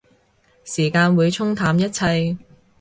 時間會沖淡一切